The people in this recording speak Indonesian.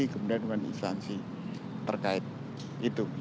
kemudian dengan instansi terkait itu